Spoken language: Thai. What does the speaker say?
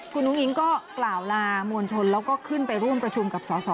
คุณอุ้งอิงก็กล่าวลามวลชนแล้วก็ขึ้นไปร่วมประชุมกับสอสอ